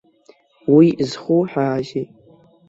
Уи зхуҳәаазеи?